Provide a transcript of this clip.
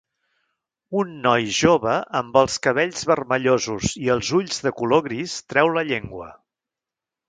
Un noi jove amb els cabells vermellosos i els ulls de color gris treu la llengua.